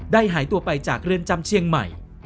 หายตัวไปจากเรือนจำเชียงใหม่